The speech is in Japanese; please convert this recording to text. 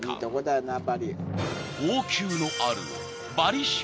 ［王宮のあるバリ州